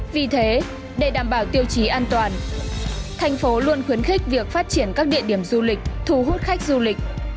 vì thế để đảm bảo tiêu chí an toàn thành phố luôn khuyến khích việc phát triển các địa điểm du lịch thu hút khách du lịch